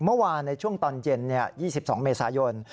เมื่อวานในช่วงตอนเย็น๒๒เมษายน